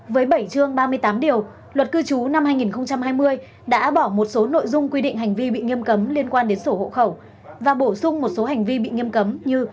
với bảy chương ba mươi tám điều luật cư trú năm hai nghìn hai mươi đã bỏ một số nội dung quy định hành vi bị nghiêm cấm liên quan đến sổ hộ khẩu và bổ sung một số hành vi bị nghiêm cấm như